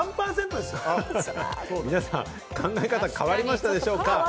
皆さん、考え方は変わりましたでしょうか？